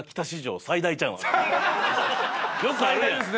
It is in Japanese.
よくあるやん。